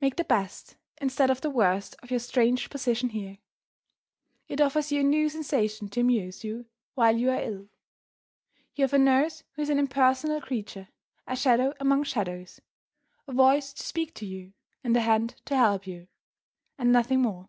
Make the best instead of the worst of your strange position here. It offers you a new sensation to amuse you while you are ill. You have a nurse who is an impersonal creature a shadow among shadows; a voice to speak to you, and a hand to help you, and nothing more.